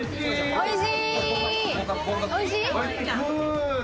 おいしい？